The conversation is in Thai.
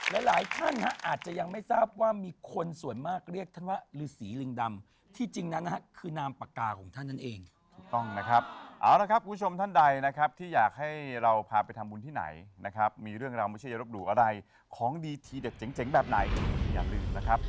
และหลายท่านอาจจะยังไม่ทราบว่ามีคนส่วนมากเรียกท่านว่าหรือสีลึงดำที่จริงนะครับคือนามปากกาของท่านนะครับ